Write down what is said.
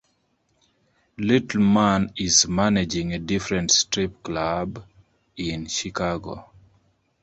Little Man is managing a different strip club in Chicago.